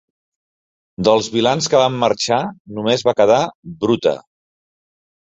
Dels vilans que van marxar, només va quedar Brute.